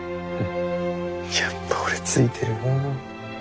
やっぱ俺ついてるなあ。